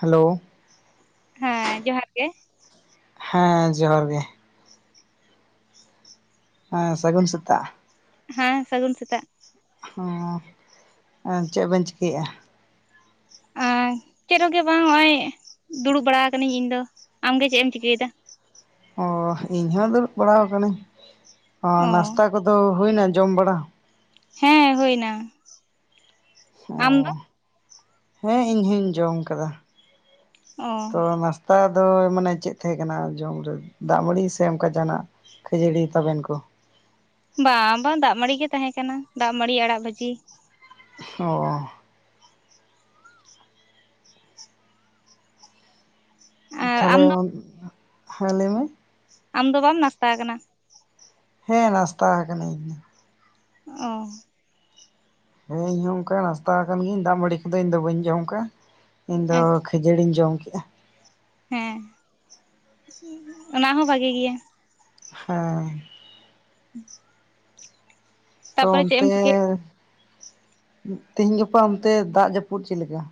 Hello ᱦᱮᱸ ᱡᱚᱦᱟᱨ ᱜᱮ ᱦᱮᱸ ᱡᱚᱦᱟᱨ ᱜᱮ ᱦᱮᱸ ᱥᱟᱹᱜᱩᱱ ᱥᱮᱛᱟᱜ ᱦᱮᱸ ᱥᱟᱹᱜᱩᱱ ᱥᱮᱛᱟᱜ ᱦᱚᱸ ᱮᱸ ᱪᱮᱫ ᱵᱮᱱ ᱪᱤᱠᱟᱹᱭᱮᱼᱟ ᱮᱸ ᱪᱮᱫ ᱦᱚᱸᱜᱮ ᱵᱟᱝ ᱱᱚᱜᱚᱭ ᱫᱩᱲᱩᱵ ᱵᱟᱲᱟ ᱟᱠᱟᱱᱟᱹᱧ ᱤᱧ ᱫᱚ ᱟᱢ ᱜᱮ ᱪᱮᱫ ᱮᱢ ᱪᱤᱠᱟᱹᱭᱮᱫᱟ ᱚᱻ ᱤᱧ ᱦᱚᱸ ᱫᱩᱲᱩᱵ ᱵᱟᱲᱟ ᱟᱠᱟᱱᱟᱹᱧ ᱚ ᱱᱟᱥᱛᱟ ᱠᱚᱫᱚ ᱦᱩᱭᱮᱱᱟ ᱡᱚᱢ ᱵᱟᱲᱟ ᱦᱮᱸ ᱦᱩᱭ ᱮᱱᱟ ᱚ ᱦᱮᱸ ᱤᱧᱦᱧ ᱡᱚᱢ ᱟᱠᱟᱫᱟ ᱚ ᱛᱚ ᱱᱟᱥᱼᱼ ᱛᱟ ᱫᱚ ᱢᱟᱱᱮ ᱪᱮᱫ ᱛᱟᱦᱮᱸ ᱠᱟᱱᱟ ᱡᱚᱢ ᱨᱮ ᱫᱟᱜᱢᱟᱹᱲᱤ ᱥᱮ ᱚᱱᱠᱟ ᱡᱟᱦᱟᱱᱟᱜ ᱠᱷᱟᱹᱡᱟᱹᱲᱤ ᱛᱟᱵᱮᱱ ᱠᱚ ᱵᱟᱝ ᱵᱟᱝ ᱫᱟᱜ ᱢᱟᱲᱤ ᱜᱮ ᱛᱟᱦᱮᱸ ᱠᱟᱱᱟ ᱫᱟᱜ ᱢᱟᱲᱤ ᱟᱲᱟᱜ ᱵᱷᱟᱡᱤ ᱚ ᱟᱨ ᱟᱢ ᱛᱟᱦᱚᱞᱮ ᱫᱚ ᱦᱮᱸ ᱞᱟᱹᱭᱢᱮ ᱟᱢ ᱫᱚ ᱵᱟᱢ ᱱᱟᱥᱛᱟ ᱟᱠᱟᱱᱟ ᱦᱮᱸ ᱱᱟᱥᱛᱟ ᱟᱠᱟᱱᱟᱹᱧ ᱚ ᱦᱮᱸ ᱤᱧ ᱦᱚᱸ ᱚᱱᱠᱟ ᱱᱟᱥᱛᱟ ᱟᱠᱟᱱ ᱜᱤᱭᱟᱹᱧ ᱫᱟᱜ ᱢᱟᱹᱲᱤ ᱠᱚᱫᱚ ᱤᱧ ᱫᱚ ᱵᱟᱹᱧ ᱡᱚᱢᱠᱟ ᱤᱧ ᱫᱚ, ᱟᱪᱪᱷᱟ ᱠᱷᱟᱡᱟᱹᱲᱤᱧ ᱡᱚᱢ ᱠᱮᱫᱼᱟ ᱦᱮᱸ ᱚᱱᱟ ᱦᱚᱸ ᱵᱷᱟᱜᱤ ᱜᱮᱭᱟ ᱦᱮᱸ [unintelligible] ᱛᱚ ᱛᱟᱯᱚᱨᱮ ᱪᱮᱫ ᱮᱢ ᱚᱱᱛᱮ ᱪᱤᱠᱟᱹᱭᱟ ᱛᱮᱦᱤᱧ ᱜᱟᱯᱟ ᱚᱱᱛᱮ ᱫᱟᱜ ᱡᱟᱹᱯᱩᱫ ᱪᱮᱫ ᱞᱮᱠᱟ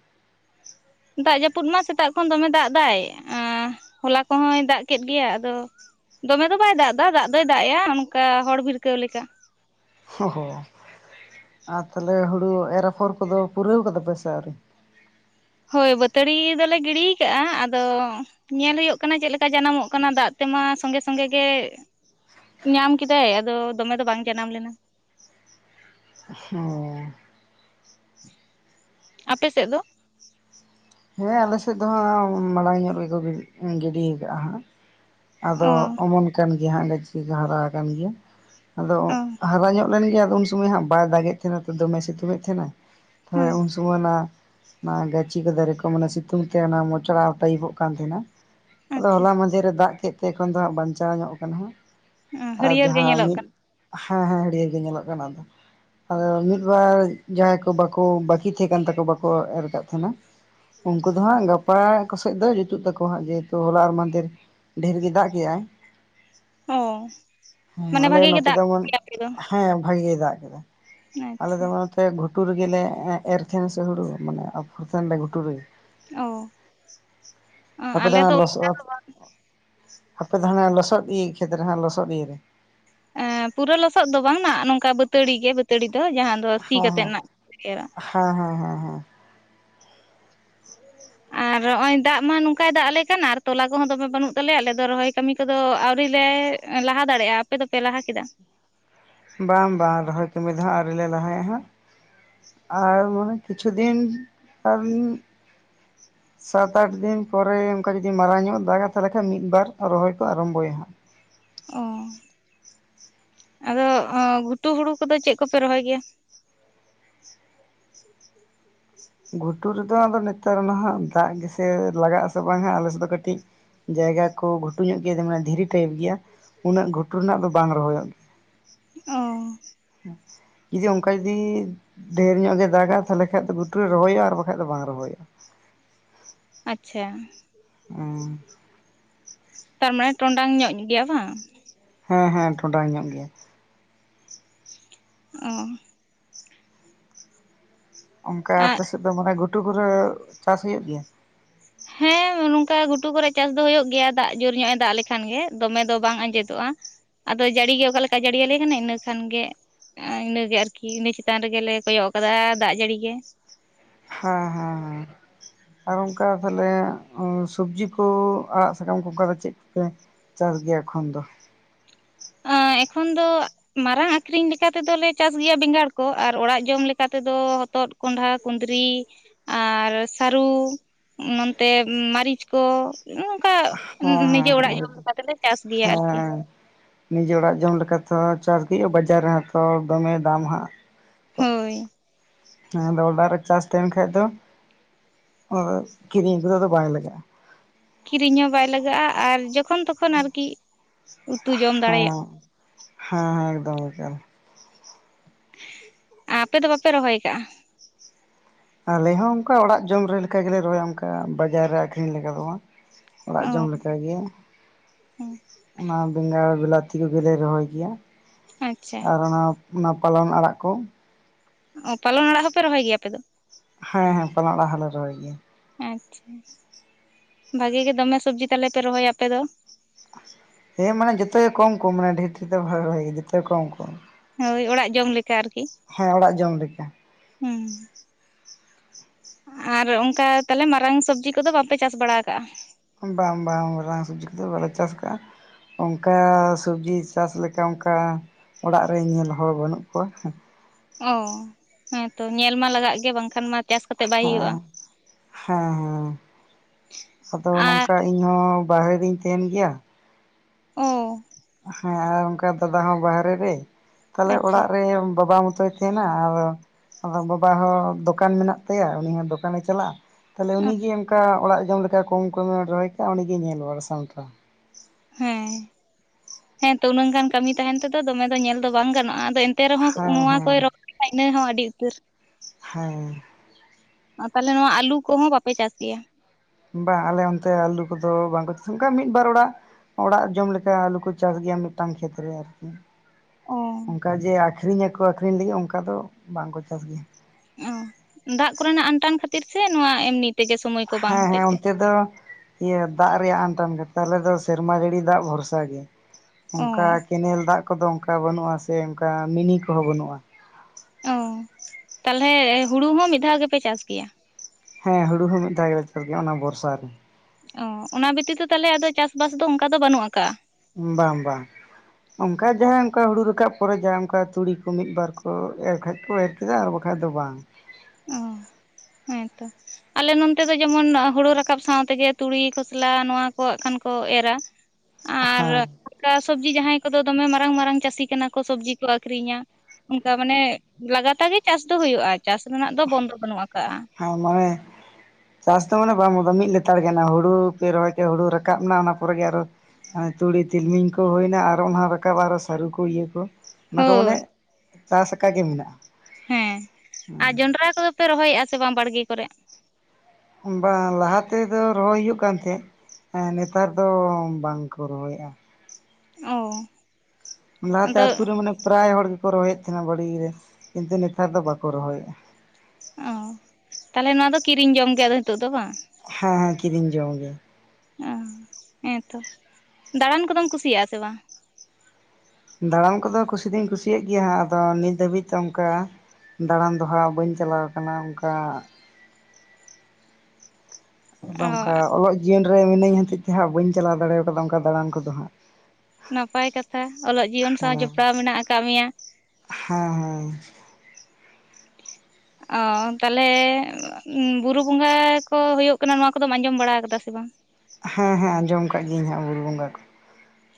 ᱫᱟᱜ ᱡᱟᱹᱯᱩᱫ ᱢᱟ ᱥᱮᱛᱟᱜ ᱠᱷᱚᱱ ᱫᱚᱢᱮ ᱫᱟᱜ ᱫᱟᱭ ᱟᱨ ᱦᱚᱞᱟ ᱠᱚᱦᱚᱸᱭ ᱫᱟᱜ ᱠᱮᱫ ᱜᱮᱭᱟ ᱟᱫᱚ ᱫᱚᱢᱮ ᱫᱚ ᱵᱟᱭ ᱫᱟᱜ ᱮᱫᱟ ᱫᱟᱜ ᱫᱚᱭ ᱫᱟᱜ ᱮᱼᱟ ᱚᱱᱠᱟ ᱦᱚᱲ ᱵᱷᱤᱲᱠᱟᱹᱣ ᱞᱮᱠᱟ ᱦᱚᱦᱚ ᱟᱨ ᱛᱟᱦᱚᱞᱮ ᱦᱩᱲᱩ ᱮᱨ ᱟᱯᱷᱚᱨ ᱠᱚᱫᱚ ᱯᱩᱨᱟᱹᱣ ᱠᱟᱫᱟ ᱯᱮ ᱥᱮ ᱟᱹᱣᱨᱤ ᱦᱳᱭ ᱵᱟᱹᱛᱟᱹᱲᱤ ᱫᱚᱞᱮ ᱜᱤᱰᱤ ᱟᱠᱟᱜᱼᱟ ᱟᱫᱚ ᱧᱮᱞ ᱦᱩᱭᱩᱜ ᱠᱟᱱᱟ ᱪᱮᱫ ᱞᱮᱠᱟ ᱡᱟᱱᱟᱢᱚᱜ ᱠᱟᱱᱟ ᱫᱟᱜ ᱛᱮᱢᱟ ᱥᱚᱝᱜᱮ ᱥᱚᱝᱜᱮ ᱜᱮ ᱧᱟᱢ ᱠᱮᱫᱟᱭ ᱟᱫᱚ ᱫᱚᱢᱮ ᱫᱚ ᱵᱟᱝ ᱡᱟᱱᱟᱢ ᱞᱮᱱᱟ ᱦᱩᱸ ᱟᱯᱮ ᱥᱮᱫ ᱫᱚ ᱦᱮᱸ ᱟᱞᱮᱥᱮᱫ ᱫᱚ ᱦᱟᱸᱜ ᱢᱟᱲᱟᱝ ᱧᱚᱜ ᱨᱮᱠᱚ ᱜᱤᱰᱤ ᱟᱠᱟᱫᱟ ᱦᱟᱸᱜ ᱚ ᱟᱫᱚ ᱚᱢᱚᱱ ᱠᱟᱱ ᱜᱮᱭᱟ ᱦᱟᱸᱜ ᱜᱟᱪᱷᱤ ᱠᱚ ᱦᱟᱨᱟ ᱟᱠᱟᱱ ᱜᱮᱭᱟ ᱚ ᱟᱫᱚ ᱦᱟᱨᱟ ᱧᱚᱜ ᱞᱮᱱ ᱜᱮᱭᱟ ᱟᱫᱚ ᱩᱱ ᱥᱚᱢᱚᱭ ᱦᱟᱸᱜ ᱵᱟᱭ ᱫᱟᱜᱮᱫ ᱛᱟᱦᱮᱱᱟ ᱛᱚ ᱫᱚᱢᱮ ᱥᱤᱛᱩᱝᱮᱫ ᱛᱟᱦᱮᱱᱟ ᱦᱳᱭ ᱦᱮᱸ ᱩᱱ ᱥᱚᱢᱚᱭ ᱚᱱᱟ ᱚᱱᱟ ᱜᱟᱹᱪᱷᱤ ᱠᱚ ᱫᱟᱨᱮ ᱠᱚ ᱠᱚ ᱢᱟᱱᱮ ᱥᱤᱛᱩᱝ ᱛᱮ ᱚᱱᱟ ᱢᱚᱪᱲᱟ ᱴᱟᱭᱤᱯᱚᱜ ᱠᱟᱱ ᱛᱟᱦᱮᱸᱱᱟ ᱟᱫᱚ ᱟᱪᱪᱷᱟ ᱦᱚᱞᱟ ᱢᱟᱫᱷᱮᱨ ᱮ ᱫᱟᱜ ᱠᱮᱫ ᱛᱮ ᱮᱠᱷᱚᱱ ᱫᱚ ᱦᱟᱸᱜ ᱵᱟᱧᱪᱟᱣ ᱧᱚᱜ ᱠᱟᱱᱟ ᱦᱟᱸᱜ ᱚ ᱟᱨ ᱦᱟᱹᱨᱭᱟᱹᱲ ᱜᱮ ᱡᱟᱦᱟᱸ ᱧᱮᱞᱚᱜ ᱢᱤᱫ ᱠᱟᱱᱟ ᱦᱮᱸ ᱦᱮᱸ ᱦᱟᱹᱨᱤᱭᱟᱹᱲ ᱜᱮ ᱧᱮᱞᱚᱜ ᱠᱟᱱᱟ ᱟᱫᱚ ᱟᱫᱚ ᱢᱤᱫ ᱵᱟᱨ ᱡᱟᱦᱟᱸᱭ ᱠᱚ ᱵᱟᱠᱚ ᱵᱟᱠᱤ ᱛᱟᱦᱮᱸ ᱠᱟᱱ ᱛᱟᱠᱚ ᱵᱟᱠᱚ ᱮᱨ ᱟᱠᱟᱫ ᱛᱟᱦᱮᱸᱱᱟ ᱩᱱᱠᱩ ᱫᱚ ᱦᱟᱸᱜ ᱜᱟᱯᱟ ᱠᱚᱥᱮᱫ ᱫᱚ ᱡᱩᱛᱩᱜ ᱛᱟᱠᱚᱣᱟ ᱦᱟᱸᱜ ᱡᱮᱦᱮᱛᱩ ᱦᱚᱞᱟ ᱟᱨ ᱢᱟᱫᱷᱮᱨ ᱰᱷᱮᱨ ᱜᱮ ᱫᱟᱜ ᱠᱮᱜ-ᱟᱭ ᱚ ᱦᱮᱸ ᱢᱟᱱᱮ ᱟᱞᱮ ᱵᱷᱟᱜᱤ ᱜᱮ ᱱᱚᱛᱮ ᱫᱟᱜ ᱫᱚ ᱮᱢᱚᱱ ᱠᱮᱜ-ᱭᱟ ᱚᱱᱛᱮ ᱫᱚ ᱦᱮᱸ ᱵᱷᱟᱜᱮ ᱜᱮᱭ ᱫᱟᱜ ᱠᱮᱫᱟ, ᱟᱞᱮ ᱟᱪᱪᱷᱟ ᱫᱚ [unintelligible] ᱛᱮ ᱜᱷᱩᱴᱩᱨ ᱨᱮᱜᱮᱞᱮ ᱮᱨ ᱛᱟᱦᱮᱱᱟ ᱥᱮ ᱦᱩᱲᱩ ᱢᱟᱱᱮ ᱟᱯᱷᱩᱨ ᱛᱟᱦᱮᱸᱱᱞᱮ ᱜᱷᱩᱴᱩᱨ ᱨᱮᱜᱮ ᱚ ᱟᱯᱮ ᱫᱚ ᱟᱞᱮ ᱦᱟᱸᱜ ᱚᱱᱠᱟ ᱞᱚᱥᱚᱫ ᱫᱚ ᱵᱟᱝ ᱟᱯᱮ ᱫᱚ ᱦᱟᱱᱟ ᱞᱚᱥᱚᱫ ᱤᱭᱟᱹ ᱠᱷᱮᱛᱨᱮ ᱦᱟᱸᱜ ᱞᱚᱥᱚᱫ ᱤᱭᱟᱹ ᱨᱮ ᱯᱩᱨᱟᱹ ᱞᱚᱥᱚᱫ ᱫᱚ ᱵᱟᱝ ᱱᱟᱜ ᱱᱚᱝᱠᱟ ᱵᱟᱹᱛᱟᱹᱲᱤ ᱜᱮ ᱵᱟᱹᱛᱟᱹᱲᱤ ᱫᱚ ᱡᱟᱦᱟᱱ ᱦᱚᱸ ᱦᱚᱸ, ᱦᱚᱸ ᱦᱚᱸ ᱦᱚᱸ ᱦᱚᱸ [inaudible] ᱟᱨ ᱱᱚᱜᱼᱚᱭ ᱫᱟᱜ ᱢᱟ ᱱᱚᱝᱠᱟᱭ ᱫᱟᱜ ᱟᱞᱮ ᱠᱟᱱ ᱟᱨ ᱛᱚᱞᱟ ᱠᱚᱦᱚᱸ ᱫᱚᱢᱮ ᱵᱟᱹᱱᱩᱜ ᱛᱟᱞᱮᱭᱟ ᱟᱞᱮ ᱫᱚ ᱨᱚᱦᱚᱭ ᱠᱟᱹᱢᱤ ᱠᱚᱫᱚ ᱟᱹᱣᱨᱤ ᱞᱮ ᱞᱟᱦᱟ ᱫᱟᱲᱮᱭᱟᱜᱼᱟ ᱟᱯᱮ ᱫᱚ ᱯᱮ ᱞᱟᱦᱟ ᱠᱮᱫᱟ ᱵᱟᱝ ᱵᱟᱝ ᱨᱚᱦᱚᱭ ᱠᱟᱹᱢᱤ ᱫᱚ ᱦᱟᱸᱜ ᱟᱹᱣᱨᱤ ᱞᱮ ᱞᱟᱦᱟᱭᱟ ᱦᱟᱸᱜ ᱟᱨ ᱢᱟᱱᱮ ᱠᱤᱪᱷᱩ ᱫᱤᱱ ᱟᱨ ᱥᱟᱛ ᱟᱴ ᱫᱤᱱ ᱯᱚᱨᱮ ᱚᱱᱠᱟ ᱡᱩᱫᱤ ᱢᱟᱨᱟᱝ ᱧᱚᱜ ᱫᱟᱜᱟ ᱛᱟᱦᱚᱞᱮ ᱠᱷᱟᱱ ᱢᱤᱫ ᱵᱟᱨ ᱨᱚᱦᱚᱭ ᱠᱚ ᱟᱨᱟᱢᱵᱚᱭᱟ ᱦᱟᱸᱜ ᱚᱸ, ᱟᱫᱚ ᱜᱷᱩᱴᱩ ᱦᱩᱲᱩ ᱠᱚᱫᱚ ᱪᱮᱫ ᱠᱚ ᱯᱮ ᱨᱚᱦᱚᱭ ᱜᱮᱭᱟ [inaudible] ᱜᱷᱩᱴᱩ ᱨᱮᱫᱚ ᱟᱫᱚ ᱱᱮᱛᱟᱨ ᱱᱟᱦᱟᱜ ᱫᱟᱜ ᱜᱮᱥᱮ ᱞᱟᱜᱟᱜ ᱟᱥᱮ ᱵᱟᱝ ᱦᱟᱸᱜ ᱟᱞᱮ ᱥᱮᱫ ᱫᱚ ᱠᱟᱹᱴᱤᱡ ᱡᱟᱭᱜᱟ ᱠᱚ ᱜᱷᱩᱴᱩ ᱧᱚᱜ ᱜᱮᱭᱟ ᱫᱚᱢᱮ ᱫᱷᱤᱨᱤ ᱴᱟᱭᱤᱯ ᱜᱮᱭᱟ ᱩᱱᱟᱹᱜ ᱜᱷᱩᱴᱩ ᱨᱮᱱᱟᱜ ᱫᱚ ᱵᱟᱝ ᱨᱚᱦᱚᱭᱚᱜ ᱜᱮᱭᱟ ᱚᱸ ᱡᱩᱫᱤ ᱚᱱᱠᱟ ᱡᱩᱫᱤ ᱰᱷᱮᱨ ᱧᱚᱜ ᱜᱮ ᱫᱟᱜᱟ ᱛᱟᱦᱞᱮ ᱠᱷᱟᱱ ᱫᱚ ᱜᱷᱩᱴᱩ ᱨᱮ ᱨᱚᱦᱚᱭᱚᱜᱼᱟ ᱟᱨ ᱵᱟᱠᱷᱟᱡ ᱫᱚ ᱵᱟᱝ ᱨᱚᱦᱚᱭᱚᱜᱼᱟ ᱟᱪᱪᱷᱟ ᱚᱸ ᱛᱟᱨ ᱢᱟᱱᱮ ᱴᱚᱸᱰᱟᱝ ᱧᱚᱜ ᱜᱮᱭᱟ ᱵᱟᱝ ᱦᱮᱸ ᱦᱮᱸ ᱴᱚᱸᱰᱚᱝ ᱧᱚᱜ ᱜᱮᱭᱟ ᱚᱸ ᱚᱱᱠᱟ ᱟᱨ ᱟᱯᱮ ᱥᱮᱫ ᱫᱚ ᱢᱟᱱᱮ ᱜᱷᱩᱴᱩ ᱠᱚᱨᱮ ᱪᱟᱥ ᱦᱩᱭᱩᱜ ᱜᱮᱭᱟ ᱦᱮᱸ ᱱᱚᱝᱠᱟ ᱜᱷᱩᱴᱩ ᱠᱚᱨᱮ ᱪᱟᱥ ᱫᱚ ᱦᱩᱭᱩᱜ ᱜᱮᱭᱟ ᱫᱟᱜ ᱡᱳᱨ ᱧᱚᱜ ᱮ ᱫᱟᱜ ᱞᱮᱠᱷᱟᱱ ᱜᱮ ᱫᱚᱢᱮ ᱫᱚ ᱵᱟᱝ ᱟᱸᱡᱮᱫᱚᱜᱼᱟ ᱟᱫᱚ ᱡᱟᱹᱲᱤ ᱜᱮ ᱚᱠᱟ ᱞᱮᱠᱟ ᱡᱟᱹᱲᱤᱭᱟᱞᱮ ᱠᱟᱱᱟ ᱤᱱᱟᱹ ᱠᱷᱟᱱ ᱜᱮ ᱤᱱᱟᱹ ᱜᱮ ᱟᱨᱠᱤ ᱤᱱᱟᱹ ᱪᱮᱛᱟᱱ ᱨᱮᱜᱮ ᱞᱮ ᱠᱚᱭᱚᱜ ᱟᱠᱟᱫᱟ ᱫᱟᱜ ᱡᱟᱹᱲᱤ ᱜᱮ ᱦᱚᱸ ᱦᱚᱸ ᱦᱚᱸ ᱟᱨ ᱚᱱᱠᱟ ᱛᱟᱦᱞᱮ ᱥᱚᱵᱡᱤ ᱠᱚ ᱟᱲᱟᱜ ᱥᱟᱠᱟᱢ ᱠᱚ ᱚᱱᱠᱟ ᱫᱚ ᱪᱮᱫ ᱠᱚᱯᱮ ᱪᱟᱥ ᱜᱮᱭᱟ ᱮᱠᱷᱚᱱ ᱫᱚ ᱮᱠᱷᱚᱱ ᱫᱚ ᱢᱟᱨᱟᱝ ᱟᱠᱷᱨᱤᱧ ᱞᱮᱠᱟ ᱛᱮᱫᱚ ᱞᱮ ᱪᱟᱥ ᱜᱮᱭᱟ ᱵᱮᱸᱜᱟᱲ ᱠᱚ ᱟᱨ ᱚᱲᱟᱜ ᱡᱚᱢ ᱞᱮᱠᱟ ᱛᱮᱫᱚ ᱦᱚᱛᱚᱫ ᱠᱚᱸᱰᱷᱟ ᱠᱩᱸᱫᱽᱨᱤ ᱟᱨ ᱥᱟᱹᱨᱩ ᱱᱚᱱᱛᱮ ᱢᱟᱹᱨᱤᱪ ᱠᱚ ᱚᱱᱠᱟ ᱦᱮᱸ ᱱᱤᱡᱮ ᱚᱲᱟᱜ ᱦᱮᱸ ᱡᱚᱢ ᱮᱠᱫᱚᱢ ᱞᱮᱠᱟ ᱛᱮᱞᱮ ᱪᱟᱥ ᱜᱮᱭᱟ ᱟᱨᱠᱤ ᱦᱮᱸ ᱱᱤᱡᱮ ᱚᱲᱟᱜ ᱡᱚᱢ ᱞᱮᱠᱟ ᱛᱚ ᱪᱟᱥ ᱜᱮᱼᱟ ᱵᱟᱡᱟᱨ ᱨᱮ ᱦᱟᱛᱟᱣ ᱫᱚᱢᱮ ᱫᱟᱢ ᱦᱟᱸᱜ ᱦᱳᱭ [unintelligible] ᱦᱮᱸ ᱟᱫᱚ ᱚᱲᱟᱜ ᱨᱮ ᱪᱟᱥ ᱛᱟᱦᱮᱱ ᱠᱷᱟᱡ ᱫᱚ ᱠᱤᱨᱤᱧ ᱟᱹᱜᱩ ᱫᱚ ᱵᱟᱭ ᱞᱟᱜᱟᱜᱼᱟ ᱠᱤᱨᱤᱧ ᱦᱚᱸ ᱵᱟᱭ ᱞᱟᱜᱟᱜᱼᱟ ᱟᱨ ᱡᱚᱠᱷᱚᱱ ᱛᱚᱠᱷᱚᱱ ᱟᱨᱠᱤ ᱩᱛᱩ ᱡᱚᱢ ᱫᱟᱲᱮᱭᱟᱜᱼᱟ ᱦᱮᱸ ᱦᱮᱸ ᱮᱠᱫᱚᱢ ᱮᱠᱫᱚᱢ ᱟᱯᱮ ᱫᱚ ᱵᱟᱯᱮ ᱨᱚᱦᱚᱭ ᱠᱟᱜᱼᱟ ᱟᱞᱮ ᱦᱚᱸ ᱚᱱᱠᱟ ᱚᱲᱟᱜ ᱡᱚᱢ ᱨᱮ ᱞᱮᱠᱟ ᱜᱮᱞᱮ ᱨᱚᱦᱚᱭᱟ ᱚᱱᱠᱟ ᱵᱟᱡᱟᱨ ᱨᱮ ᱟᱠᱷᱨᱤᱧ ᱞᱮᱠᱟ ᱫᱚ ᱵᱟᱝ ᱚᱲᱟᱜ ᱚ ᱡᱚᱢ ᱞᱮᱠᱟ ᱜᱮ ᱚᱱᱟ ᱵᱮᱸᱜᱟᱲ ᱵᱤᱞᱟᱹᱛᱤ [unintelligible] ᱠᱚᱜᱮ ᱞᱮ ᱨᱚᱦᱚᱭ ᱜᱮᱭᱟ ᱟᱪᱪᱷᱟ ᱟᱨ ᱚᱱᱟ ᱚᱱᱟ ᱯᱟᱞᱚᱱ ᱟᱲᱟᱜ ᱠᱚ ᱚᱸ ᱯᱟᱞᱚᱱ ᱟᱲᱟᱜ ᱦᱚᱸ ᱯᱮ ᱨᱚᱦᱚᱭ ᱜᱮᱭᱟ ᱟᱯᱮ ᱫᱚ ᱦᱮᱸ ᱦᱮᱸ ᱯᱟᱞᱚᱱ ᱟᱲᱟᱜ ᱦᱚᱞᱮ ᱨᱚᱦᱚᱭ ᱜᱮᱭᱟ ᱟᱪᱪᱷᱟ ᱵᱷᱟᱜᱤ ᱜᱮ ᱫᱚᱢᱮ ᱥᱚᱵᱡᱤ ᱛᱟᱦᱚᱞᱮ ᱯᱮ ᱨᱚᱦᱚᱭᱟ ᱟᱯᱮ ᱫᱚ ᱦᱮᱸ ᱢᱟᱱᱮ ᱡᱚᱛᱚ ᱜᱮ ᱠᱚᱢ ᱠᱚᱢ ᱢᱟᱱᱮ ᱰᱷᱮᱨ ᱰᱷᱮᱨ ᱫᱚ [unintelligible] ᱡᱚᱛᱚ ᱠᱚᱢ ᱠᱚᱢ ᱦᱳᱭ ᱚᱲᱟᱜ ᱡᱚᱢ ᱞᱮᱠᱟ ᱟᱨᱠᱤ ᱦᱮᱸ ᱚᱲᱟᱜ ᱡᱚᱢ ᱞᱮᱠᱟ ᱦᱩᱸᱢ ᱟᱨ ᱚᱱᱠᱟ ᱛᱟᱦᱚᱞᱮ ᱢᱟᱨᱟᱝ ᱥᱚᱵᱽᱡᱤ ᱠᱚᱫᱚ ᱵᱟᱯᱮ ᱪᱟᱥ ᱵᱟᱲᱟ ᱟᱠᱟᱫᱟ ᱵᱟᱝ ᱵᱟᱝ ᱢᱟᱨᱟᱝ ᱥᱩᱵᱡᱤ ᱠᱚᱫᱚ ᱵᱟᱞᱮ ᱪᱟᱥ ᱠᱟᱜ ᱟ ᱚᱱᱠᱟ ᱥᱚᱵᱡᱤ ᱪᱟᱥ ᱞᱮᱠᱟ ᱚᱱᱠᱟ ᱚᱲᱟᱜ ᱨᱮ ᱧᱮᱞ ᱦᱚᱲ ᱵᱟᱹᱱᱩᱜ ᱠᱚᱣᱟ ᱚ ᱦᱮᱸᱛᱚ ᱧᱮᱞ ᱢᱟ ᱞᱟᱜᱟᱜ ᱜᱮ ᱵᱟᱝᱠᱷᱟᱱ ᱢᱟ ᱪᱟᱥ ᱠᱟᱛᱮᱜ ᱦᱮᱸ ᱵᱟᱭ ᱦᱩᱭᱩᱜᱼᱟ ᱦᱮᱸ ᱦᱮᱸ ᱟᱫᱚ ᱟᱨ ᱱᱚᱝᱠᱟ ᱤᱧ ᱦᱚᱸ ᱵᱟᱨᱨᱮ ᱨᱧ ᱛᱟᱦᱮᱱ ᱜᱮᱭᱟ ᱚ ᱦᱮᱸ ᱟᱨ ᱚᱱᱠᱟ ᱫᱟᱫᱟ ᱦᱚᱸ ᱵᱟᱦᱨᱮ ᱨᱮ ᱛᱟᱦᱞᱮ ᱟᱪᱪᱷᱟ ᱚᱲᱟᱜ ᱨᱮ ᱵᱟᱵᱟ ᱢᱚᱛᱚᱭ ᱛᱟᱦᱮᱱᱟ ᱟᱫᱚ ᱟᱫᱚ ᱵᱟᱵᱟ ᱦᱚ ᱫᱚᱠᱟᱱ ᱢᱮᱱᱟᱜ ᱛᱟᱭᱟ ᱩᱱᱤ ᱦᱚᱸ ᱫᱚᱠᱟᱱᱮ ᱪᱟᱞᱟᱜᱼᱟ ᱛᱟᱦᱚᱞᱮ ᱩᱱᱤᱜᱮ ᱚᱱᱠᱟ ᱚᱲᱟᱜ ᱡᱚᱢ ᱞᱮᱠᱟ ᱠᱚᱢ ᱠᱚᱢᱮ ᱨᱚᱦᱚᱭ ᱠᱟᱜᱼᱟ ᱩᱱᱤᱜᱮ ᱧᱮᱞ ᱵᱟᱟᱨ ᱥᱟᱢᱴᱟᱣ ᱦᱮᱸ ᱦᱮᱸ ᱛᱚ ᱩᱱᱟᱝ ᱜᱟᱱ ᱠᱟᱹᱢᱤ ᱛᱟᱦᱮᱱ ᱛᱮᱫᱚ ᱫᱚᱢᱮ ᱫᱚ ᱧᱮᱞ ᱫᱚ ᱵᱟᱝ ᱜᱟᱱᱚᱜᱼᱟ ᱟᱫᱚ ᱮᱱᱛᱮ ᱨᱮᱦᱚᱸ ᱦᱮᱸ ᱱᱚᱶᱟ ᱠᱚ ᱦᱮᱸ ᱨᱚᱦᱚᱭ ᱞᱮᱠᱷᱟᱡ ᱤᱱᱟᱹ ᱦᱚᱸ ᱟᱹᱰᱤ ᱩᱛᱟᱹᱨ ᱦᱮᱸ ᱛᱟᱦᱚᱞᱮ ᱱᱚᱣᱟ ᱟᱹᱞᱩ ᱠᱚᱦᱚᱸ ᱵᱟᱯᱮ ᱪᱟᱥ ᱜᱮᱭᱟ ᱵᱟᱝ ᱟᱞᱮ ᱚᱱᱛᱮ ᱟᱹᱞᱩ ᱠᱚᱫᱚ ᱵᱟᱝᱠᱚ ᱪᱟᱥᱼᱟ ᱚᱱᱠᱟ ᱢᱤᱫᱵᱟᱨ ᱚᱲᱟᱜ ᱚᱲᱟᱜ ᱡᱚᱢ ᱞᱮᱠᱟ ᱟᱞᱚ ᱠᱚ ᱪᱟᱥ ᱜᱮᱭᱟ ᱢᱤᱫᱴᱟᱝ ᱠᱷᱮᱛᱨᱮ ᱟᱨᱠᱤ ᱚ ᱚᱱᱠᱟ ᱡᱮ ᱟᱠᱠᱷᱨᱤᱧᱟᱠᱚ ᱟᱠᱠᱷᱨᱤᱧ ᱞᱟᱹᱜᱤᱫ ᱚᱱᱠᱟ ᱫᱚ ᱵᱟᱝᱠᱚ ᱪᱟᱥ ᱜᱮᱭᱟ ᱚ ᱫᱟᱜ ᱠᱚᱨᱮᱱᱟᱜ ᱟᱱᱴᱟᱱ ᱠᱷᱟᱛᱤᱨ ᱥᱮ ᱱᱚᱣᱟ ᱮᱢᱱᱤ ᱛᱮᱜᱮ ᱥᱚᱢᱚᱭ ᱠᱚ ᱵᱟᱝ ᱦᱮᱸ ᱦᱚᱛᱮᱡ ᱦᱮᱸ ᱛᱮ ᱚᱱᱛᱮ ᱫᱚ ᱤᱭᱟᱹ ᱫᱟᱜ ᱨᱮᱭᱟᱜ ᱟᱱᱴᱟᱱ ᱟᱞᱮ ᱫᱚ ᱥᱮᱨᱢᱟ ᱡᱟᱹᱲᱤ ᱫᱟᱜ ᱵᱷᱚᱨᱥᱟ ᱜᱮ ᱚ ᱚᱱᱠᱟ ᱠᱮᱱᱮᱞ ᱫᱟᱜ ᱠᱚᱫᱚ ᱚᱱᱠᱟ ᱵᱟᱹᱱᱩᱜᱼᱟ ᱥᱮ ᱚᱱᱠᱟ ᱢᱤᱱᱤ ᱠᱚᱦᱚᱸ ᱵᱟᱹᱱᱩᱜᱼᱟ ᱚ ᱛᱟᱦᱞᱮ ᱦᱩᱲᱩ ᱦᱚᱸ ᱢᱤᱫ ᱫᱷᱟᱣ ᱜᱮᱯᱮ ᱪᱟᱥ ᱜᱮᱭᱟ ᱦᱮᱸ ᱦᱩᱲᱩ ᱦᱚᱸ ᱢᱤᱫ ᱫᱷᱟᱣ ᱜᱮᱞᱮ ᱪᱟᱥ ᱜᱮᱭᱟ ᱚᱱᱟ ᱵᱚᱨᱥᱟᱨ ᱨᱮ ᱚ ᱚᱱᱟ ᱵᱷᱤᱛᱤᱨ ᱛᱮ ᱛᱟᱦᱚᱞᱮ ᱟᱫᱚ ᱪᱟᱥ ᱵᱟᱥ ᱫᱚ ᱚᱱᱠᱟ ᱫᱚ ᱵᱟᱹᱱᱩᱜ ᱟᱠᱟᱫᱟ ᱵᱟᱝ ᱵᱟᱝ ᱚᱱᱠᱟ ᱡᱟᱦᱟᱸ ᱚᱱᱠᱟ ᱦᱩᱲᱩ ᱨᱟᱠᱟᱵ ᱯᱚᱨᱮ ᱡᱟᱦᱟᱸ ᱚᱱᱠᱟ ᱛᱩᱲᱤ ᱠᱚ ᱢᱤᱫ ᱵᱟᱨ ᱠᱚ ᱮᱨ ᱠᱷᱟᱡ ᱠᱚ ᱮᱨ ᱪᱮᱫᱟᱜ ᱟᱨ ᱵᱟᱠᱷᱟᱡ ᱫᱚ ᱵᱟᱝ ᱚ [unintelligible] ᱦᱮᱸᱛᱚ ᱟᱞᱮ ᱱᱚᱱᱛᱮ ᱫᱚ ᱡᱮᱢᱚᱱ ᱦᱩᱲᱩ ᱨᱟᱠᱟᱵ ᱥᱟᱶᱛᱮᱜᱮ ᱛᱩᱲᱤ ᱠᱷᱚᱥᱞᱟ ᱱᱚᱣᱟ ᱠᱚᱣᱟᱜ ᱠᱷᱟᱱ ᱠᱚ ᱮᱨᱟ ᱦ [unintelligible] ᱟᱨ ᱟᱱᱠᱟ ᱥᱚᱵᱡᱤ ᱡᱟᱦᱟᱸᱭ ᱠᱚᱫᱚ ᱫᱚᱢᱮ ᱢᱟᱨᱟᱝ ᱢᱟᱨᱟᱝ ᱪᱟᱹᱥᱤ ᱠᱟᱱᱟ ᱠᱚ ᱥᱚᱵᱡᱤ ᱠᱚ ᱟᱠᱷᱨᱤᱧᱟ ᱚᱱᱠᱟ ᱢᱟᱱᱮ ᱞᱟᱜᱟᱛᱟᱨ ᱜᱮ ᱪᱟᱥ ᱫᱚ ᱦᱩᱭᱩᱜᱼᱟ ᱪᱟᱥ ᱨᱮᱱᱟᱜ ᱫᱚ ᱵᱚᱱᱫᱚ ᱵᱟᱹᱱᱩᱜ ᱟᱠᱟᱫᱟᱼᱟ ᱟᱨ ᱢᱬᱮ [unintelligible] ᱪᱟᱥ ᱫᱚ ᱢᱟᱱᱮ ᱵᱟᱢ ᱢᱤᱫ ᱞᱮᱛᱟᱲ ᱜᱮ ᱦᱩᱲᱩ ᱯᱮ ᱨᱚᱦᱚᱭ ᱠᱮᱫ ᱦᱩᱲᱩ ᱨᱟᱠᱟᱵ ᱮᱱᱟ ᱚᱱᱟ ᱯᱚᱨᱮ ᱜᱮ ᱟᱨᱚ ᱮ ᱛᱩᱲᱤ ᱛᱤᱞᱢᱤᱧ ᱠᱚ ᱦᱩᱭᱱᱟ ᱟᱨ ᱚᱱᱟ ᱨᱟᱠᱟᱵ ᱟᱨᱚ ᱥᱟᱹᱨᱩ ᱠᱚ ᱤᱭᱟᱹ ᱠᱚ ᱚᱱᱟ ᱠᱚ ᱢᱟᱱᱮ ᱦᱳᱭ ᱪᱟᱥ ᱟᱠᱟ ᱜᱮ ᱢᱮᱱᱟᱜᱼᱟ ᱦᱮᱸ ᱟᱨ ᱡᱚᱱᱰᱨᱟ ᱠᱚᱫᱚᱯᱮ ᱨᱚᱦᱚᱭᱮᱫᱟ ᱥᱮ ᱵᱟᱝ ᱵᱟᱲᱜᱮ ᱠᱚᱨᱮᱫ ᱵᱟᱝ ᱞᱟᱦᱟ ᱛᱮᱫᱚ ᱨᱚᱦᱚᱭ ᱦᱩᱭᱩᱜ ᱠᱟᱱ ᱛᱟᱦᱮᱸᱫ ᱦᱮᱸ ᱱᱮᱛᱟᱨ ᱫᱚ ᱵᱟᱝ ᱠᱚ ᱨᱚᱦᱚᱭᱮᱫᱼᱟ ᱚ ᱞᱟᱦᱟᱛᱮ ᱟᱫᱚ ᱟᱛᱩᱨ ᱨᱮ ᱢᱟᱱᱮ ᱯᱨᱟᱭ ᱦᱚᱲ ᱜᱮᱠᱚ ᱨᱚᱦᱚᱭᱮᱫ ᱛᱟᱦᱮᱱᱟ ᱵᱟᱲᱜᱮ ᱨᱮ ᱠᱤᱱᱛᱩ ᱱᱮᱛᱟᱨ ᱫᱚ ᱵᱟᱠᱚ ᱨᱚᱦᱚᱭᱮᱫᱼᱟ ᱚ ᱛᱟᱞᱦᱮ ᱱᱚᱣᱟ ᱫᱚ ᱠᱤᱨᱤᱧ ᱡᱚᱢ ᱜᱮ ᱱᱤᱛᱳᱜ ᱫᱚ ᱵᱟᱝ ᱦᱮᱸ ᱦᱮᱸ ᱠᱤᱨᱤᱧ ᱡᱚᱢ ᱜᱮ ᱚ ᱦᱮᱸᱛᱚ ᱫᱟᱬᱟᱱ ᱠᱚᱫᱚᱢ ᱠᱩᱥᱤᱭᱟᱜᱼᱟ ᱥᱮ ᱵᱟᱝ ᱫᱟᱬᱟᱱ ᱠᱚᱫᱚ ᱠᱩᱥᱤ ᱫᱚᱩᱧ ᱠᱩᱥᱤᱭᱟᱜ ᱜᱮᱭᱟᱜ ᱟᱫᱚ ᱱᱤᱛ ᱫᱷᱟᱹᱵᱤᱡ ᱛᱮᱚᱱᱠᱟ ᱫᱟᱬᱟᱱ ᱫᱚᱦᱟᱜ ᱵᱟᱹᱧ ᱪᱟᱞᱟᱣ ᱟᱠᱟᱱᱟ ᱚᱱᱠᱟ ᱟᱫᱚ ᱚ ᱚᱱᱠᱟ ᱚᱞᱚᱜ ᱡᱤᱭᱚᱱ ᱨᱮ ᱢᱤᱱᱟᱹᱧ ᱦᱚᱛᱮᱡ ᱛᱮᱦᱟᱸᱜ ᱵᱟᱹᱧ ᱪᱟᱞᱟᱣ ᱫᱟᱲᱮ ᱠᱟᱫᱟ ᱚᱱᱠᱟ ᱫᱟᱬᱟᱱ ᱠᱚᱫᱚ ᱦᱟᱸᱜ ᱱᱟᱯᱟᱭ ᱠᱟᱛᱷᱟ ᱚᱞᱚᱜ ᱡᱤᱭᱚᱱ ᱥᱟᱶ ᱦᱮᱸ ᱡᱚᱯᱲᱟᱣ ᱢᱮᱱᱟᱜ ᱟᱠᱟᱫ ᱢᱮᱭᱟ ᱦᱮᱸ ᱦᱮᱸ ᱚ ᱛᱟᱦᱚᱞᱮ ᱵᱩᱨᱩ ᱵᱚᱸᱜᱟ ᱠᱚ ᱦᱩᱭᱩᱜ ᱠᱟᱱᱟ ᱱᱚᱣᱟ ᱠᱚᱫᱚᱢ ᱟᱸᱡᱚᱢ ᱵᱟᱲᱟ ᱟᱠᱟᱫᱟ ᱥᱮ ᱵᱟᱝ ᱦᱮᱸ ᱦᱮᱸᱚᱢᱫ ᱠᱟᱜ ᱜᱤᱭᱟᱹᱧ ᱦᱟᱸᱜ ᱵᱩᱨᱩ ᱵᱚᱸᱜᱟ ᱠᱚ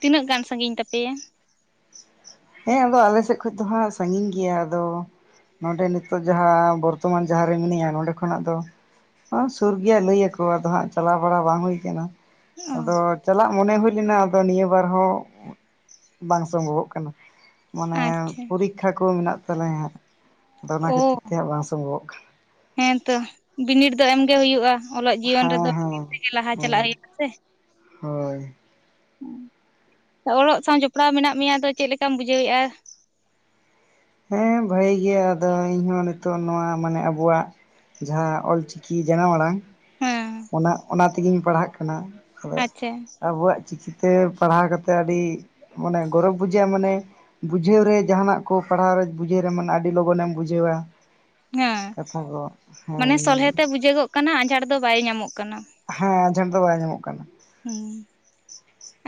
ᱛᱤᱱᱟᱹᱜ ᱜᱟᱱ ᱥᱟᱺᱜᱤᱧ ᱛᱟᱯᱮᱭᱟ ᱦᱮᱸ ᱟᱫᱚ ᱟᱞᱮ ᱥᱮᱫ ᱠᱷᱚᱱ ᱫᱚ ᱦᱟᱸᱜ ᱥᱟᱜᱤᱧ ᱜᱮᱭᱟ ᱟᱫᱚ ᱱᱚᱸᱰᱮ ᱱᱤᱛᱚᱜ ᱡᱟᱦᱟᱸ ᱵᱚᱨᱛᱚᱢᱟᱱ ᱡᱟᱦᱟᱸ ᱨᱮ ᱢᱤᱱᱤᱧᱟ ᱱᱚᱰᱮ ᱠᱷᱚᱱᱟᱜ ᱫᱚ ᱚ ᱥᱩᱨ ᱜᱮ ᱞᱟᱹᱭ ᱭᱟᱠᱚ ᱟᱫᱚ ᱦᱟᱸᱜ ᱪᱟᱞᱟᱣ ᱵᱟᱲᱟ ᱵᱟᱝ ᱦᱩᱭ ᱠᱟᱱᱟ ᱚ ᱟᱫᱚ ᱪᱟᱞᱟᱜ ᱢᱚᱱᱮ ᱦᱩᱭ ᱞᱮᱱᱟ ᱟᱫᱚ ᱱᱤᱭᱟᱹ ᱵᱟᱨ ᱦᱚᱸ ᱵᱟᱝ ᱥᱚᱢᱵᱷᱚᱵᱚᱜ ᱠᱟᱱᱟ ᱢᱟᱱᱮ ᱟᱪᱪᱷᱟ ᱯᱚᱨᱤᱠᱷᱟ ᱠᱚ ᱢᱮᱱᱟᱜ ᱛᱟᱞᱮᱭᱟ ᱦᱟᱸᱜ ᱟᱫᱚ ᱚᱱᱟ ᱚ ᱠᱷᱟᱹᱛᱤᱨ ᱛᱮ ᱦᱟᱸᱜ ᱵᱟᱝ ᱥᱚᱢᱵᱷᱚᱵᱚᱜ ᱠᱟᱱᱟ ᱦᱮᱸᱛᱚ ᱵᱤᱱᱤᱰ ᱫᱚ ᱮᱢᱜᱮ ᱦᱩᱭᱩᱜᱼᱟ ᱚᱞᱚᱜ ᱡᱤᱭᱚᱱ ᱠᱟᱱᱟ ᱨᱮᱫᱚ [unintelligible] ᱦᱮᱸ ᱛᱮᱜᱮ ᱞᱟᱦᱟ ᱪᱟᱞᱟᱜ ᱦᱮᱸ ᱦᱮᱸ ᱦᱩᱭᱩᱜ ᱟ ᱥᱮ ᱦᱳᱭ ᱚᱞᱚᱜ ᱥᱟᱶ ᱡᱚᱯᱲᱟᱣ ᱢᱮᱱᱟᱜ ᱢᱮᱭᱟ ᱟᱫᱚ ᱪᱮᱫ ᱞᱮᱠᱟᱢ ᱵᱩᱡᱷᱟᱹᱣ ᱮᱼᱟ ᱦᱮᱸ ᱵᱷᱟᱹᱜᱤ ᱜᱮ ᱟᱫᱚ ᱤᱧᱦᱚᱸ ᱱᱤᱛᱚᱜ ᱱᱚᱣᱟ ᱢᱟᱱᱮ ᱟᱵᱩᱣᱟᱜ ᱡᱟᱦᱟᱸ ᱚᱞ ᱪᱤᱠᱤ ᱡᱟᱱᱟᱢ ᱟᱲᱟᱝ ᱦᱮᱸ ᱚᱱᱟ ᱚᱱᱟ ᱛᱮᱜᱤᱧ ᱯᱟᱲᱦᱟᱜ ᱠᱟᱱᱟ ᱟᱪᱪᱷᱟ ᱟᱫᱚᱭᱟᱜ ᱪᱤᱠᱤᱛᱮ ᱯᱟᱲᱦᱟᱣ ᱠᱟᱛᱮ ᱟᱹᱰᱤ ᱢᱟᱱᱮ ᱜᱚᱨᱚᱵᱽ ᱵᱩᱡᱷᱟᱹᱜᱼᱟ ᱢᱟᱱᱮ ᱵᱩᱡᱷᱟᱹᱣ ᱨᱮ ᱡᱟᱦᱟᱱᱟᱜ ᱠᱚ ᱯᱟᱲᱦᱟᱣ ᱨᱮ ᱵᱩᱡᱷᱟᱹᱣ ᱨᱮ ᱢᱮᱱᱟᱜᱼᱟ ᱟ. ᱲᱤ ᱞᱚᱜᱚᱱᱮᱢ ᱵᱩᱡᱷᱟᱹᱣᱟ ᱦᱮᱸ ᱠᱟᱛᱷᱟ ᱠᱚ ᱦᱮᱸ ᱢᱟᱱᱮ ᱤᱱᱟᱹᱜᱮ ᱥᱚᱞᱦᱮᱛᱮ ᱵᱩᱡᱷᱟᱹᱜᱚᱜ ᱠᱟᱱᱟ ᱟᱡᱟᱨ ᱫᱚ ᱵᱟᱭ ᱧᱟᱢᱚᱜ ᱠᱟᱱᱟ᱾ ᱦᱮᱸ ᱟᱡᱷᱟᱨ ᱫᱚ ᱵᱟᱭ ᱧᱟᱢᱚᱜ ᱠᱟᱱᱟ᱾ ᱦᱮᱸ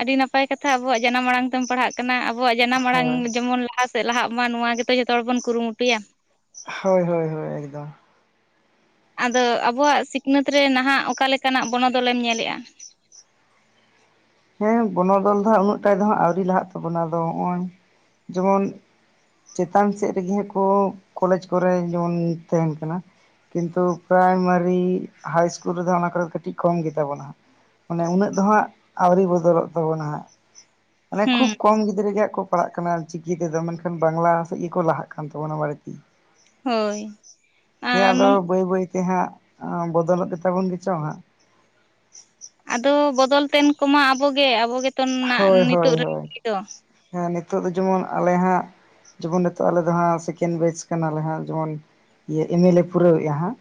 ᱟᱹᱰᱤ ᱱᱟᱯᱟᱭ ᱠᱟᱛᱷᱟ ᱟᱵᱚᱣᱟᱜ ᱡᱟᱱᱟᱢ ᱟᱲᱟᱝ᱾ ᱯᱟᱲᱦᱟᱜ ᱠᱟᱱᱟ ᱟᱵᱚᱣᱟᱜ ᱡᱟᱱᱟᱢ ᱟᱲᱟᱝ ᱦᱳᱭ ᱡᱮᱢᱚᱱ ᱞᱟᱦᱟ ᱥᱮᱫ ᱞᱟᱦᱟᱜ ᱢᱟ ᱱᱚᱣᱟ ᱜᱮᱛᱚ ᱡᱚᱛᱚ ᱦᱚᱲ ᱵᱚᱱ ᱠᱩᱨᱩᱢᱩᱴᱩᱭᱟ᱾ ᱦᱳᱭ ᱻᱦᱳᱭ ᱻᱦᱳᱭ ᱮᱠᱫᱚᱢ ᱟᱫᱚ ᱟᱵᱚᱣᱟᱜ ᱥᱤᱠᱷᱱᱟᱹᱛ ᱨᱮ ᱱᱟᱦᱟᱜ ᱚᱠᱟ ᱞᱮᱠᱟᱱᱟᱜ ᱵᱚᱱᱚᱫᱚᱞᱮᱢ ᱧᱮᱞᱮᱜᱼᱟ? ᱦᱮᱸ ᱵᱚᱱᱚᱫᱚᱞ ᱫᱚ ᱦᱟᱸᱜ ᱩᱱᱟᱹᱜ ᱴᱟᱭ ᱫᱚ ᱟᱹᱣᱨᱤ ᱞᱟᱦᱟᱜ ᱛᱟᱵᱚᱱᱟ ᱟᱫᱚ ᱱᱚᱜᱼᱚᱭ ᱡᱮᱢᱚᱱ ᱪᱮᱛᱟᱱ ᱥᱮᱫ ᱨᱮᱜᱮ ᱠᱚ ᱠᱚᱞᱮᱡᱽ ᱠᱚᱨᱮ ᱡᱮᱢᱚᱱ ᱛᱟᱦᱮᱱ ᱠᱟᱱᱟ᱾ ᱠᱤᱱᱛᱩ ᱯᱨᱟᱭᱢᱟᱨᱤ ᱦᱟᱭ ᱤᱥᱠᱩᱞ ᱨᱮᱫᱚ ᱚᱱᱟ ᱠᱚᱨᱮ ᱫᱚ ᱠᱟᱹᱴᱤᱡ ᱠᱚᱢ ᱜᱮᱛᱟᱵᱚᱱᱟ ᱦᱟᱜ᱾ ᱢᱟᱱᱮ ᱩᱱᱟᱹᱜ ᱫᱚ ᱦᱟᱸᱜ ᱟᱹᱣᱨᱤ ᱵᱚᱫᱚᱞᱚᱜ ᱛᱟᱵᱚᱱᱟ ᱦᱟᱸᱜ ᱢᱟᱱᱮ ᱠᱷᱩᱵ ᱦᱩᱸ ᱠᱚᱢ ᱜᱤᱫᱽᱨᱟᱹ ᱜᱮ ᱦᱟᱸᱜ ᱠᱚ ᱯᱟᱲᱦᱟᱜ ᱠᱟᱱᱟ ᱚᱞ ᱪᱤᱠᱤ ᱛᱮᱫᱚ ᱢᱮᱱᱠᱷᱟᱱ ᱵᱟᱝᱞᱟ ᱥᱮᱫ ᱜᱮᱠᱚ ᱞᱟᱦᱟᱜ ᱠᱟᱱ ᱛᱟᱵᱚᱱᱟ ᱵᱟᱹᱲᱛᱤ᱾ ᱦᱳᱭ ᱦᱮᱸ ᱟᱨ ᱟᱫᱚ ᱱᱚᱝ ᱵᱟᱹᱭ ᱵᱟᱹᱭᱛᱮ ᱦᱟᱸᱜ ᱵᱚᱫᱚᱞᱚᱜ ᱜᱮᱛᱟᱵᱚᱱ ᱜᱮᱪᱚ ᱦᱟᱸᱜ᱾ ᱟᱫᱚ ᱵᱚᱫᱚᱞ ᱛᱮᱱ ᱠᱚᱢᱟ ᱟᱵᱚᱜᱮ ᱟᱵᱚᱜᱮᱛᱚ ᱱᱟᱜ ᱦᱳᱭ ᱦᱳᱭ ᱱᱤᱛᱚᱜ ᱦᱳᱭ [unintelligible] ᱫᱚ᱾ ᱦᱮᱸ ᱱᱤᱛᱚᱜ ᱫᱚ ᱡᱮᱢᱚᱱ ᱟᱞᱮ ᱦᱟᱜ ᱡᱮᱢᱚᱱ ᱱᱤᱛᱚᱜ ᱟᱞᱮ ᱫᱚ ᱦᱟᱸᱜ ᱥᱮᱠᱮᱱᱰ ᱵᱮᱪ ᱠᱟᱱᱟᱞᱮ ᱦᱟᱸᱜ ᱡᱮᱢᱚᱱ ᱤᱭᱟ. ᱮᱢᱮ ᱞᱮ ᱯᱩᱨᱟᱹᱣᱮᱫᱼᱟ ᱦᱟᱸᱜ᱾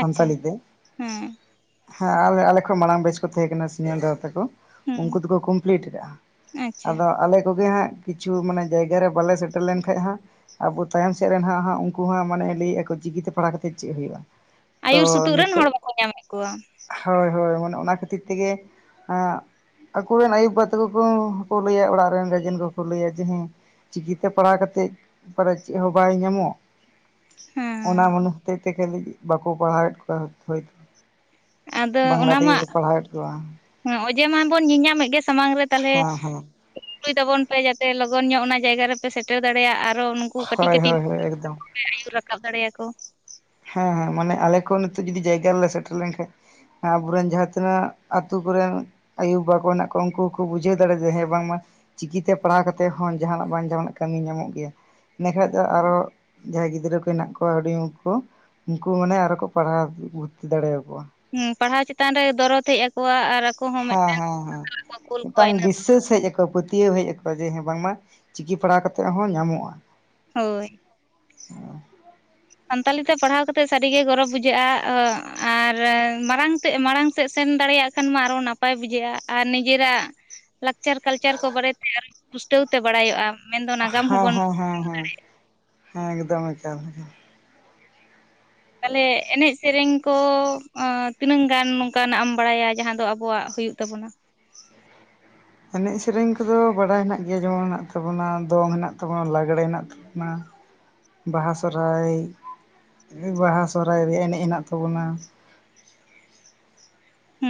ᱟᱪᱪᱷᱟ ᱛᱮ ᱦᱮᱸ ᱦᱮᱸ ᱟᱞᱮ ᱟᱞᱮᱠᱷᱚᱱ ᱢᱟᱲᱟᱝ ᱵᱮᱪ ᱠᱚ ᱛᱟᱦᱮᱸ ᱠᱟᱱᱟ ᱥᱤᱱᱤᱭᱟᱨ ᱫᱟᱫᱟ ᱛᱟᱠᱚ᱾ ᱦᱩᱸ ᱩᱱᱠᱩ ᱫᱚᱠᱚ ᱠᱚᱢᱯᱞᱤᱴ ᱠᱟᱜᱼᱟ ᱟᱪᱪᱷᱟ ᱟᱫᱚ ᱟᱞᱮ ᱛᱚᱵᱮ ᱦᱟᱸᱜ ᱠᱤᱪᱷᱩ ᱢᱟᱱᱮ ᱡᱟᱭᱜᱟ ᱨᱮ ᱵᱟᱞᱮ ᱥᱮᱴᱮᱨ ᱞᱮᱱᱠᱷᱟᱡ ᱦᱟᱸᱜ ᱟᱵᱚ ᱛᱟᱭᱚᱢ ᱥᱮᱫ ᱨᱮᱱ ᱦᱟᱸᱜ ᱦᱟᱸᱜ ᱩᱱᱠᱩ ᱦᱟᱸᱜ ᱢᱟᱱᱮ ᱞᱟᱹᱭᱮᱫᱼᱟ ᱠᱚ ᱪᱤᱠᱤᱛᱮ ᱯᱟᱲᱦᱟᱣ ᱠᱟᱛᱮᱫ ᱪᱮᱫ ᱦᱩᱭᱩᱜᱼᱟᱻ ᱟᱹᱭᱩᱨ ᱥᱩᱛᱩᱜ ᱨᱮᱱ ᱦᱚᱲ ᱵᱟᱠᱚ ᱧᱟᱢᱮᱫ ᱠᱚᱣᱟ᱾ ᱦᱳᱭ ᱦᱳᱭ ᱚᱱᱮ ᱚᱱᱟ ᱠᱷᱟᱹᱛᱤᱨ ᱛᱮᱜᱮ ᱦᱟᱸᱜ ᱟᱠᱚᱨᱮᱱ ᱟᱹᱭᱩᱵᱟᱵᱟ ᱛᱟᱠᱚ ᱠᱚ ᱞᱟᱹᱭᱟ ᱚᱲᱟᱜ ᱨᱮᱱ [unintelligible] ᱮᱱ ᱠᱚᱠᱚ ᱞᱟᱹᱭᱟ ᱡᱮ ᱦᱮᱸ ᱪᱤᱠᱤᱛᱮ ᱯᱟᱲᱟᱣ ᱠᱟᱛᱮᱜ ᱯᱟᱞᱮ ᱪᱮᱫ ᱦᱚᱸ ᱵᱟᱝ ᱧᱟᱢᱚᱜ ᱦᱮᱸ ᱚᱱᱟ [unintelligible] ᱦᱚᱛᱮ ᱛᱮ ᱞᱟ. ᱜᱥᱛ ᱵᱟᱠᱚ ᱯᱟᱲᱦᱟᱣᱮᱫ ᱠᱚᱣᱟ ᱦᱳᱭᱛᱳ᱾ ᱵᱟᱝᱞᱟ ᱛᱮᱜᱮ ᱠᱚ ᱯᱟᱲᱦᱟᱣᱮᱫ ᱠᱚᱣᱟ᱾ ᱱᱚᱚᱭᱡᱮ ᱢᱟᱱᱵᱚᱱ ᱧᱮᱞᱧᱟᱢᱮᱫ ᱜᱮ ᱥᱟᱢᱟᱝ ᱨᱮ ᱛᱟᱞᱦᱮ ᱦᱮᱸ ᱦᱮᱸ [unintelligible] ᱛᱟᱵᱚᱱ ᱯᱮ ᱡᱟᱛᱮ ᱞᱚᱜᱚᱱ ᱧᱚᱜ ᱚᱱᱟ ᱡᱟᱭᱜᱟ ᱨᱮᱯᱮ ᱥᱮᱴᱮᱨ ᱫᱟᱲᱮᱭᱟᱜ ᱟᱨᱚ ᱩᱱᱠᱩ ᱠᱟᱹᱴᱤᱡ ᱦᱳᱭ ᱠᱟᱹᱴᱤᱡ ᱦᱳᱭ ᱦᱳᱭ ᱮᱠᱫᱚᱢ [unintelligible] ᱟᱹᱭᱩᱨ ᱨᱟᱠᱟᱵ ᱫᱟᱲᱮᱭᱟᱠᱚ᱾ ᱦᱮᱸ ᱦᱮᱸ ᱢᱟᱱᱮ ᱟᱞᱮ ᱠᱚ ᱱᱤᱛᱚᱜ ᱡᱩᱫᱤ ᱡᱟᱭᱜᱟ ᱨᱮᱞᱮ ᱥᱮᱴᱮᱨ ᱞᱮᱱᱠᱷᱟᱡ ᱦᱮᱸ ᱟᱵᱚᱨᱮᱱ ᱡᱟᱦᱟᱸ ᱛᱤᱱᱟᱹᱜ ᱟᱹᱛᱩ ᱠᱚᱨᱮᱱ ᱟᱭᱩᱼᱵᱟ ᱠᱚᱸ ᱦᱮᱱᱟᱜ ᱠᱚᱣᱟ ᱩᱱᱠᱩ ᱦᱩᱠᱚᱸ ᱵᱩᱡᱷᱟᱹᱣ ᱫᱟᱲᱮ ᱡᱮ ᱦᱮᱸ ᱵᱟᱝᱢᱟ ᱪᱤᱠᱤᱛᱮ ᱯᱟᱲᱦᱟᱣ ᱠᱟᱛᱮ ᱦᱚᱸ ᱡᱟᱦᱟᱱᱟᱜ ᱵᱟᱝ ᱡᱟᱦᱱᱟᱜ ᱠᱟᱹᱢᱤ ᱧᱟᱢᱚᱜ ᱜᱮᱭᱟ᱾ [unintelligible] ᱫᱚ ᱟᱨᱚ ᱡᱟᱦᱟᱸᱭ ᱜᱤᱫᱽᱨᱟᱹ ᱠᱚ ᱦᱮᱱᱟᱜ ᱠᱚᱣᱟ ᱦᱩᱰᱤᱧ ᱩᱱᱠᱚ ᱩᱱᱠᱩ ᱢᱟᱱᱮ ᱟᱨᱚ ᱠᱚ ᱯᱟᱲᱦᱟᱣ ᱠᱩ ᱵᱷᱩᱨᱛᱤ ᱫᱟᱲᱮᱣᱟᱠᱚᱣᱟ᱾ ᱦᱮ ᱯᱟᱲᱦᱟᱣ ᱪᱮᱛᱟᱱ ᱨᱮ ᱫᱚᱨᱚᱫ ᱦᱮᱡ ᱟᱠᱚᱣᱟ ᱟᱨ ᱟᱠ ᱦᱮᱸ ᱦᱮᱸ ᱦᱮᱸ ᱢᱤᱫᱴᱟᱝ ᱵᱤᱥᱮᱥ ᱦᱮᱡ ᱟᱠ ᱯᱟᱹᱛᱭᱟᱹᱣ ᱦᱮᱡ ᱟᱠᱚᱣᱟ ᱡᱮᱮᱸ ᱵᱟᱝᱢᱟ ᱪᱤᱠᱤ ᱯᱟᱲᱦᱟᱣ ᱠᱟᱛᱮᱜ ᱦᱚᱸ ᱧᱟᱢᱚᱜᱼᱟ ᱦᱳᱭ ᱥᱟᱱᱛᱟᱞᱤ ᱛᱮ ᱯᱟᱲᱦᱟᱣ ᱠᱟᱛᱮᱜ ᱥᱟᱹᱨᱤᱜᱮ ᱜᱚᱨᱚᱵᱽ ᱵᱩᱡᱷᱟᱹᱜᱼᱟ ᱟᱨ ᱢᱟᱲᱟᱝ ᱛᱮ ᱢᱟᱲᱟᱝ ᱥᱮᱫ ᱥᱮᱱ ᱫᱟᱲᱮᱭᱟᱜ ᱠᱷᱟᱱ ᱢᱟ ᱟᱨᱚ ᱱᱟᱯᱟᱭ ᱵᱩᱡᱷᱟᱹᱜᱼᱟ ᱟᱨ ᱱᱤᱡᱮᱨᱟᱜ ᱦᱮᱸ ᱞᱟᱠᱪᱟᱨ ᱠᱟᱞᱪᱟᱨ ᱠᱚ ᱵᱟᱨᱮᱛᱮ ᱟᱨᱚ ᱯᱩᱥᱴᱟᱹᱣ ᱛᱮ ᱵᱟᱲᱟᱭᱚᱜᱼᱟ᱾ ᱢᱮᱱᱫᱚ ᱱᱟᱜᱟᱢ ᱦᱮᱸ ᱦᱚᱸᱵᱚᱱ ᱦᱮᱸ ᱦᱮᱸ ᱦᱮᱸ ᱦᱮᱸ ᱮᱠᱫᱚᱢ ᱮᱠᱟᱞ ᱜᱮ᱾ ᱛᱟᱦᱚᱞᱮ ᱮᱱᱮᱡ ᱥᱮᱨᱮᱧ ᱠᱚ ᱟ ᱛᱤᱱᱟᱹᱝ ᱜᱟᱱ ᱱᱚᱝᱠᱟᱱᱟᱜ ᱮᱢ ᱵᱟᱲᱟᱭᱟ ᱡᱟᱦᱟᱸ ᱫᱚ ᱟᱵᱚᱣᱟᱜ ᱦᱩᱭᱩᱜ ᱛᱟᱵᱚᱱᱟ? ᱮᱱᱮᱡ ᱥᱮᱨᱮᱧ ᱠᱚᱫᱚ ᱵᱟᱲᱟᱭ ᱦᱮᱱᱟᱜ ᱮᱱᱮ ᱥᱮᱨᱮᱧ ᱠᱚ ᱫᱚ ᱵᱟᱴᱟᱭ ᱦᱨᱱᱟ ᱜᱮᱭᱟ ᱮᱱᱮᱡ ᱥᱮᱨᱮᱧ ᱠᱚᱫᱚ ᱵᱟᱲᱟᱭ ᱦᱮᱱᱟᱜ ᱜᱮᱭᱟ ᱡᱮᱢᱚᱱ ᱦᱮᱱᱟᱜ ᱛᱟᱵᱚᱱᱟ ᱫᱚᱝ ᱦᱮᱱᱟ ᱛᱟᱵᱚᱱᱟ ᱞᱟᱜᱽᱲᱮ ᱦᱮᱱᱟᱜ ᱵᱟᱦᱟ ᱥᱚᱦᱨᱟᱭ ᱵᱟᱦᱟ ᱥᱚᱦᱨᱟᱭ ᱨᱮᱭᱟᱜ ᱮᱱᱮᱡ ᱦᱮᱱᱟᱜ ᱛᱟᱵᱚᱱᱟ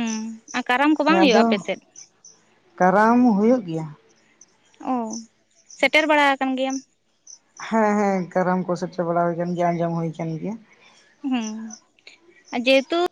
ᱦᱮᱸ ᱦᱮᱸ ᱟᱫᱚ ᱠᱟᱨᱟᱢ ᱦᱚᱸ ᱦᱩᱭᱩᱜ ᱜᱮᱭᱟ ᱳ ᱥᱮᱴᱮᱨ ᱵᱟᱲᱟ ᱟᱠᱟᱱ ᱜᱮᱭᱟᱢ ᱦᱮᱸ ᱦᱮᱸ ᱠᱟᱨᱟᱢ ᱠᱚ ᱥᱮᱴᱪᱮᱨᱟ ᱵᱟᱲᱟ ᱦᱩᱭ ᱟᱠᱟᱱ ᱜᱮᱭᱟ ᱟᱸᱡᱚᱢ ᱦᱩᱭ ᱟᱠᱟᱱ ᱜᱮᱭᱟ ᱦᱮᱸ ᱟᱨ ᱡᱮᱦᱮᱛᱩ